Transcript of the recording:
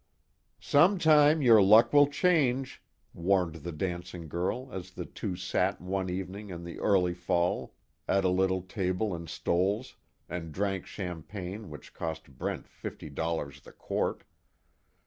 "Sometime your luck will change," warned the dancing girl as the two sat one evening in the early fall at a little table in Stoell's and drank champagne which cost Brent fifty dollars the quart.